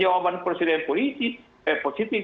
jawaban presiden politik eh positif